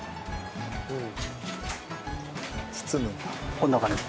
こんな感じ。